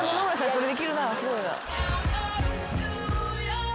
それできるなすごいな。